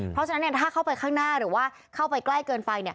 เพราะฉะนั้นเนี่ยถ้าเข้าไปข้างหน้าหรือว่าเข้าไปใกล้เกินไปเนี่ย